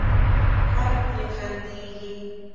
خلک پرې خندېږي.